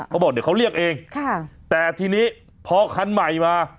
เขาบอกเดี๋ยวเขาเรียกเองค่ะแต่ทีนี้พอคันใหม่มา